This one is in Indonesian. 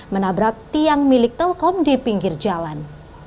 menabrak tiang milik telkom di pinggir jalan